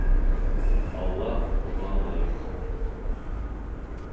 Аллаһ уға лайыҡ.